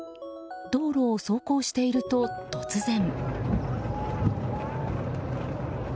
道路を走行していると突然。